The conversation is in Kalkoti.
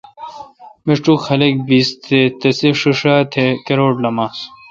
میݭٹوک۔ خلق بیس تہ، تساںݭیݭا کروٹ لمانس۔